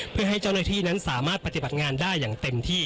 เพื่อให้เจ้าหน้าที่นั้นสามารถปฏิบัติงานได้อย่างเต็มที่